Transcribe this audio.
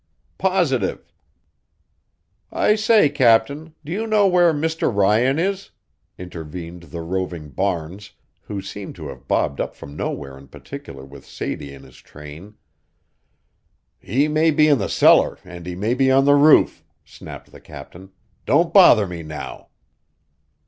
"Positive." "I say, captain, do you know where Mr. Ryan is?" intervened the roving Barnes, who seemed to have bobbed up from nowhere in particular with Sadie in his train. "He may be in the cellar and he may be on the roof," snapped the captain. "Don't bother me now!"